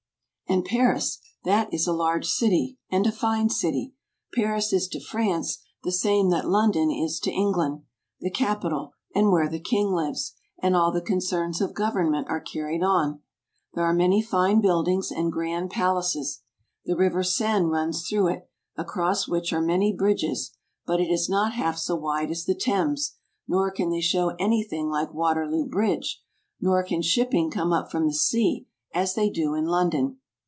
And Paris, that is a large city, and a fine city. Paris is to France, the same that London is to England; the capital, and where the King lives, and all the concerns of government are carried on. There are many fine buildings, and grand palaces. The river Seine runs through it, across which are many bridges; but it is not half so wide as the Thames, nor can they show any thing like Waterloo bridge, nor can shipping come up from the sea, as they do in London.